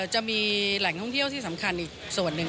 จะมีแหล่งท่องเที่ยวที่สำคัญอีกส่วนหนึ่ง